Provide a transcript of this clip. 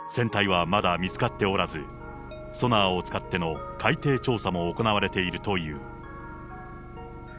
船体はまだ見つかっておらず、ソナーを使っての海底調査も行われているという。